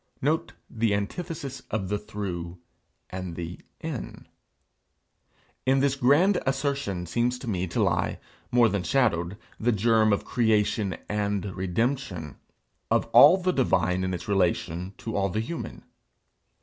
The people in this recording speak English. Note the antithesis of the through and the in. In this grand assertion seems to me to lie, more than shadowed, the germ of creation and redemption of all the divine in its relation to all the human.